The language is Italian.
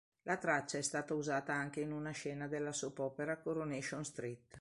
La traccia è stata usata anche in una scena della soap opera "Coronation Street".